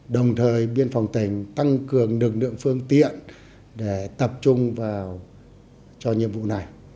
đồng thời biên phòng tỉnh tăng cường lực lượng phương tiện để tập trung vào cho nhiệm vụ này